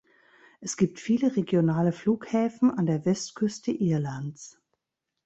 Es gibt viele regionale Flughäfen an der Westküste Irlands.